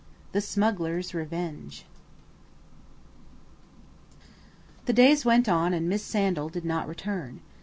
THE SMUGGLER'S REVENGE THE days went on and Miss Sandal did not return.